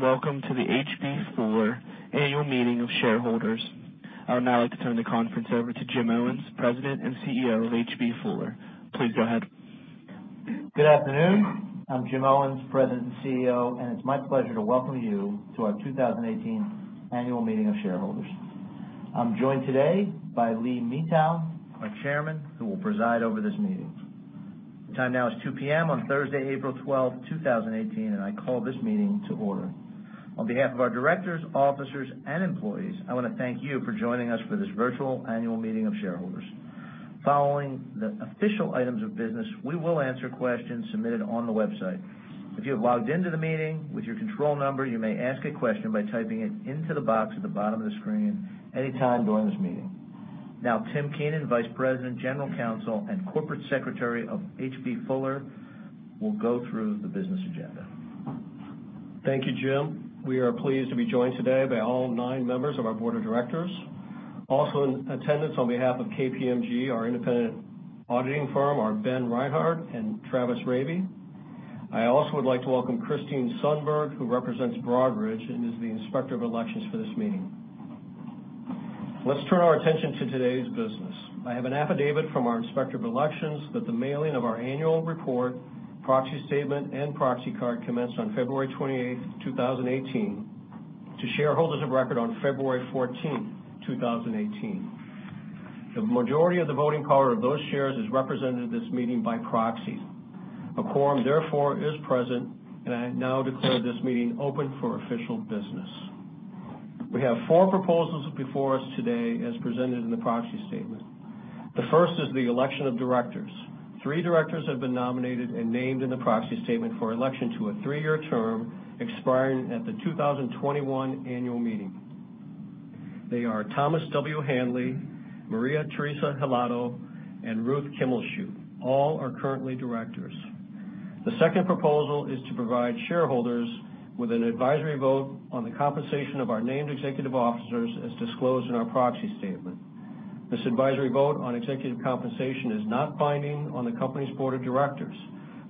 Welcome to the H.B. Fuller Annual Meeting of Shareholders. I would now like to turn the conference over to Jim Owens, President and CEO of H.B. Fuller. Please go ahead. Good afternoon. I'm Jim Owens, President and CEO, and it's my pleasure to welcome you to our 2018 Annual Meeting of Shareholders. I'm joined today by Lee Mitau, our chairman, who will preside over this meeting. The time now is 2:00 P.M. on Thursday, April 12th, 2018, and I call this meeting to order. On behalf of our directors, officers, and employees, I want to thank you for joining us for this virtual annual meeting of shareholders. Following the official items of business, we will answer questions submitted on the website. If you have logged into the meeting with your control number, you may ask a question by typing it into the box at the bottom of the screen any time during this meeting. Now, Tim Keenan, Vice President, General Counsel, and Corporate Secretary of H.B. Fuller will go through the business agenda. Thank you, Jim. We are pleased to be joined today by all nine members of our board of directors. Also in attendance on behalf of KPMG, our independent auditing firm, are Ben Reinhart and Travis Rabe. I also would like to welcome Christine Sundberg, who represents Broadridge and is the Inspector of Elections for this meeting. Let's turn our attention to today's business. I have an affidavit from our Inspector of Elections that the mailing of our annual report, proxy statement, and proxy card commenced on February 28th, 2018, to shareholders of record on February 14th, 2018. The majority of the voting power of those shares is represented at this meeting by proxies. A quorum, therefore, is present. I now declare this meeting open for official business. We have four proposals before us today as presented in the proxy statement. The first is the election of directors. Three directors have been nominated and named in the proxy statement for election to a three-year term expiring at the 2021 annual meeting. They are Thomas W. Handley, Maria Teresa Hilado, and Ruth Kimmelshue. All are currently directors. The second proposal is to provide shareholders with an advisory vote on the compensation of our named executive officers as disclosed in our proxy statement. This advisory vote on executive compensation is not binding on the company's board of directors.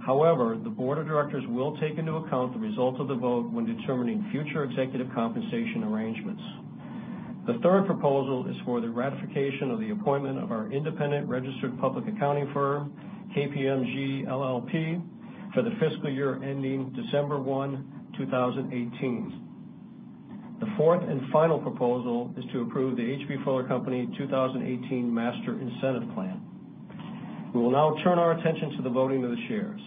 However, the board of directors will take into account the result of the vote when determining future executive compensation arrangements. The third proposal is for the ratification of the appointment of our independent registered public accounting firm, KPMG LLP, for the fiscal year ending December 1, 2018. The fourth and final proposal is to approve the H.B. Fuller Company 2018 Master Incentive Plan. We will now turn our attention to the voting of the shares.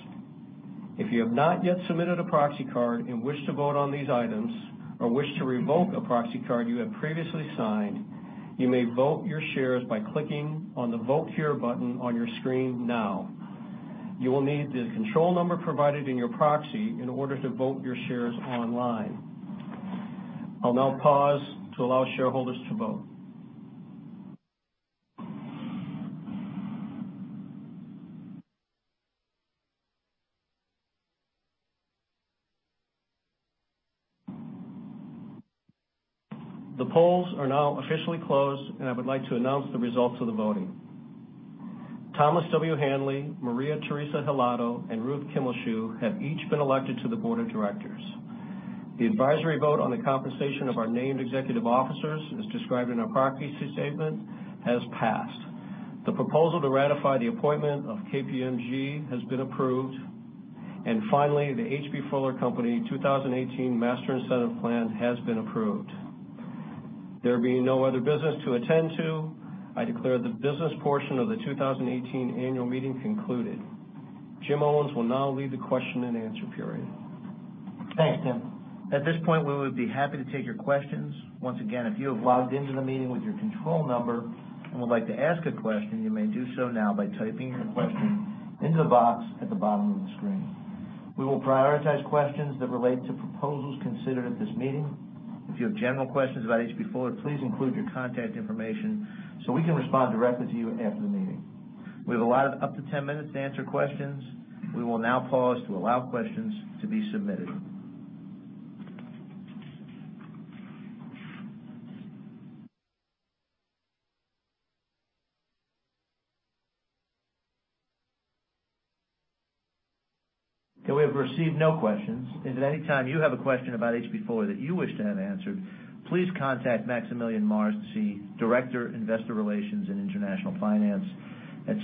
If you have not yet submitted a proxy card and wish to vote on these items or wish to revoke a proxy card you have previously signed, you may vote your shares by clicking on the Vote Here button on your screen now. You will need the control number provided in your proxy in order to vote your shares online. I'll now pause to allow shareholders to vote. The polls are now officially closed, I would like to announce the results of the voting. Thomas W. Handley, Maria Teresa Hilado, and Ruth Kimmelshue have each been elected to the board of directors. The advisory vote on the compensation of our named executive officers, as described in our proxy statement, has passed. The proposal to ratify the appointment of KPMG has been approved. Finally, the H.B. Fuller Company 2018 Master Incentive Plan has been approved. There being no other business to attend to, I declare the business portion of the 2018 annual meeting concluded. Jim Owens will now lead the question and answer period. Thanks, Tim. At this point, we would be happy to take your questions. Once again, if you have logged into the meeting with your control number and would like to ask a question, you may do so now by typing your question into the box at the bottom of the screen. We will prioritize questions that relate to proposals considered at this meeting. If you have general questions about H.B. Fuller, please include your contact information so we can respond directly to you after the meeting. We have allotted up to 10 minutes to answer questions. We will now pause to allow questions to be submitted. Okay, we have received no questions. If at any time you have a question about H.B. Fuller that you wish to have answered, please contact Maximilian Marcy, Director, Investor Relations and International Finance at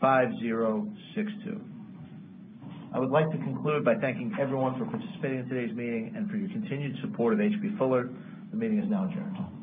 651-236-5062. I would like to conclude by thanking everyone for participating in today's meeting and for your continued support of H.B. Fuller. The meeting is now adjourned.